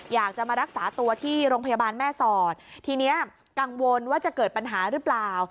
อยากจะมารักษาตัวที่โรงพยาบาลแม่สอดทีนี้กังวลว่าจะเกิดปัญหาหรือเปล่า